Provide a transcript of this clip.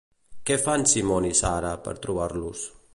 Què fan Simon i Sarah per trobar-los?